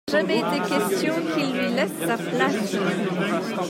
Il n’a jamais été question qu’il lui laisse sa place.